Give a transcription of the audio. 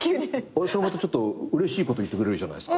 それまたちょっとうれしいこと言ってくれるじゃないですか。